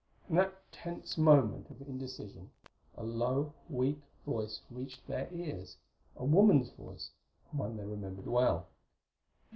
In that tense moment of indecision a low, weak voice reached their ears a woman's voice, and one they remembered well.